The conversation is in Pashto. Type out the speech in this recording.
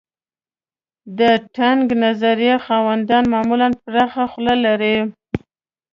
د تنګ نظر خاوندان معمولاً پراخه خوله لري.